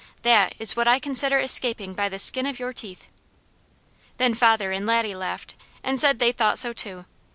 "THAT is what I consider escaping by the skin of your teeth!" Then father and Laddie laughed, and said they thought so too.